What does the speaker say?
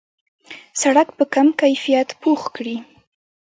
سړک په کم کیفیت پخ کړي.